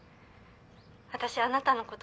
私あなたのこと